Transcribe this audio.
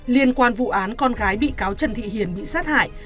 liên quan vụ án con gái bị cáo trần thị hiền bị sát hại